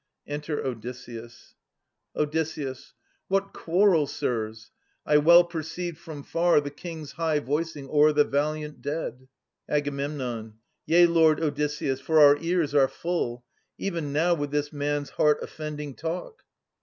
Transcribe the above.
Enter Odysseus. Od. What quarrel, sirs? I well perceived from far The kings high voicing o'er the valiant dead. Ag. Yea, Lord Odysseus, for our ears are full, Even now, with this man's heart oflFending talk.